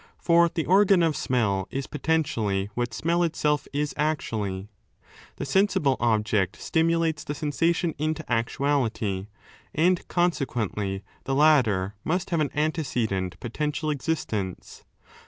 For the organ of smell is potentially^ what smell itself is 19 actually. The sensible object stimulates the sensation into actuality, and consequently the latter must have an antecedent potential existence.